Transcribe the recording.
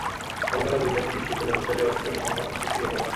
আগুন লাগার বিষয়টি নিশ্চিত হলে হোস্টেলের বাসিন্দাদের মধ্যে আতঙ্ক ছড়িয়ে পড়ে।